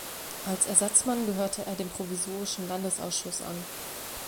Als Ersatzmann gehörte er dem provisorischen Landesausschuss an.